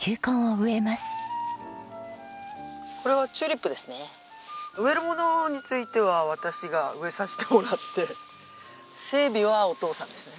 植えるものについては私が植えさせてもらって整備はお父さんですね。